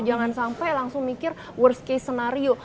jangan sampai langsung mikir worst case scenario